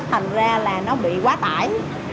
thành ra là nó bị quá tải